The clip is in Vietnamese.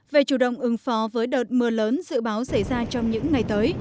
về chủ động ứng phó với đợt mưa lớn dự báo xảy ra trong những ngày tới